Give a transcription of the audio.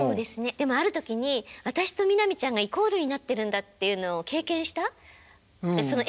でもある時に私と南ちゃんがイコールになってるんだっていうのを経験したエピソードがあって。